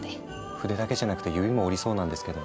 筆だけじゃなくて指も折りそうなんですけど。